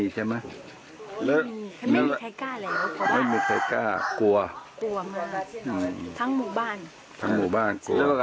ทั้งหมู่บ้านกลัว